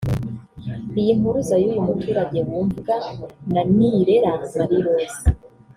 Iyi mpuruza y’uyu muturage yumvwa na Nirera Marie Rose